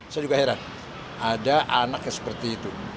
saya juga heran ada anak yang seperti itu